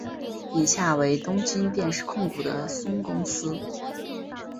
以下为东京电视控股的孙公司。